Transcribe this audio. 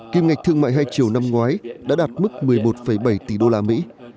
kim ngạch thương mại hai triệu năm ngoái đã đạt mức một mươi một bảy tỷ đô la mỹ